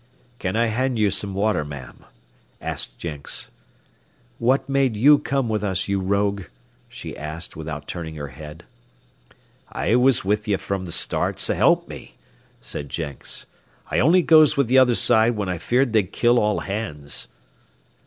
"Can I hand you some water, ma'm?" asked Jenks. "What made you come with us, you rogue?" she asked, without turning her head. "I was with ye from the start, s'help me," said Jenks. "I only goes with the other side when I feared they'd kill all hands."